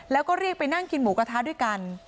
แล้วก็เรียกไปนั่งกินหมูกระทะด้วยกัน